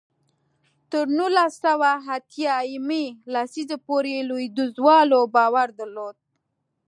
تر نولس سوه اتیا یمې لسیزې پورې لوېدیځوالو باور درلود.